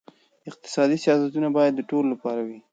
اقتصادي سیاستونه باید د ټولو لپاره وي.